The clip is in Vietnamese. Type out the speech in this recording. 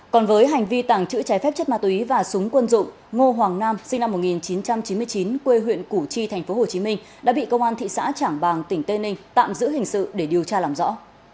còn với hành vi tàng trữ trái phép chất ma túy và súng quân dụng ngô hoàng nam sinh năm một nghìn chín trăm chín mươi chín quê huyện củ chi tp hcm đã bị công an thị xã trảng bàng tỉnh tây ninh tạm giữ hình sự để điều tra làm rõ